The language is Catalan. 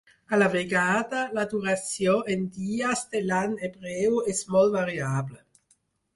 A la vegada, la duració en dies de l'any hebreu és molt variable.